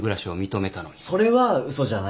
それは嘘じゃないし。